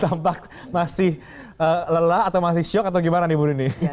tampak masih lelah atau masih shock atau gimana ibu nini